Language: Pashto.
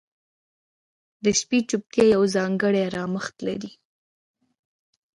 • د شپې چوپتیا یو ځانګړی آرامښت لري.